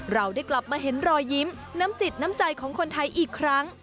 เราได้กลับมาเห็นรอยยิ้มน้ำจิตน้ำใจของคนไทยอีกครั้ง